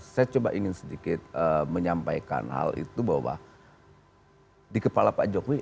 saya coba ingin sedikit menyampaikan hal itu bahwa di kepala pak jokowi